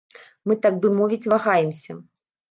Мы так бы мовіць вагаемся.